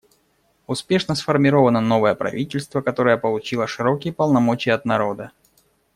Успешно сформировано новое правительство, которое получило широкие полномочия от народа.